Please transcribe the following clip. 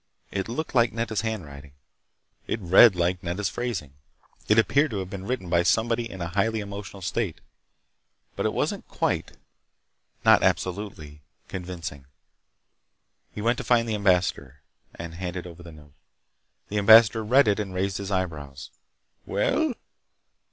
It looked like Nedda's handwriting. It read like Nedda's phrasing. It appeared to have been written by somebody in a highly emotional state. But it wasn't quite—not absolutely—convincing. He went to find the ambassador. He handed over the note. The ambassador read it and raised his eyebrows. "Well?"